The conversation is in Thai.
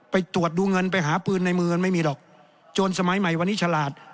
ไปตรวจดูเงินไปหาปืนในมือไม่มีหรอกโจรสมัยใหม่วันนี้ฉลาด